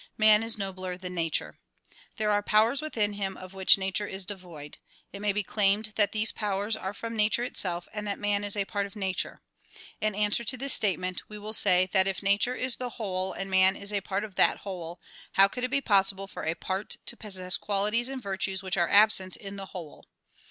Man is nobler than nature. There are powers within him of which nature is devoid. It may be claimed that these powers are from nature itself and that man is a part of nature. In answer to this state ment we will say that if nature is the whole and man is a part of that whole, how could it be possible for a part to possess qualities and virtues which are absent in the whole.